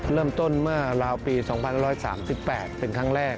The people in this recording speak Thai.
เริ่มต้นเมื่อราวปี๒๑๓๘เป็นครั้งแรก